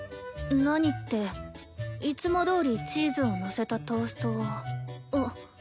何っていつもどおりチーズをのせたトーストをあっ。